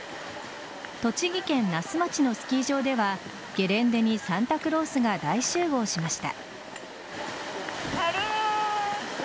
栃木県那須町のスキー場ではゲレンデにサンタクロースが大集合しました。